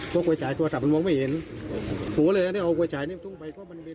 เพราะไว้จ่ายโทรศัพท์มันมองไม่เห็นผมก็เลยเอาไว้จ่ายนี่ตรงไปก็มันเป็น